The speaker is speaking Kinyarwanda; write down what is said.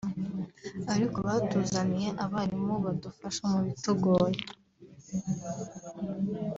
ariko batuzaniye abarimu bakadufasha mu bitugoye